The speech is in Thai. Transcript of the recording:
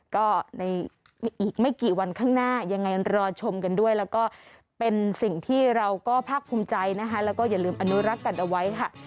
ก็ในอีกไม่กี่วันข้างหน้ายังไงรอชมกันด้วยแล้วก็เป็นสิ่งที่เราก็ภาคภูมิใจนะคะแล้วก็อย่าลืมอนุรักษ์กันเอาไว้ค่ะ